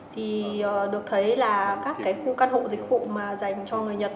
thì được thấy là các cái khu căn hộ dịch vụ mà dành cho người nhật